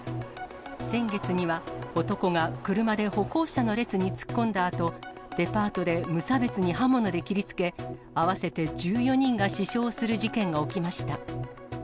先月には、男が車で歩行者の列に突っ込んだあと、デパートで無差別に刃物で切りつけ、合わせて１４人が死傷する事件が起きました。